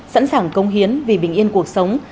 sẵn sàng công hiến vì bình yên cuộc sống